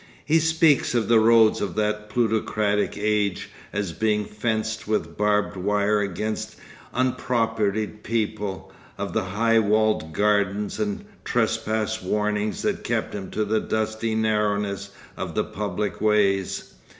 He speaks of the roads of that plutocratic age as being 'fenced with barbed wire against unpropertied people,' of the high walled gardens and trespass warnings that kept him to the dusty narrowness of the public ways.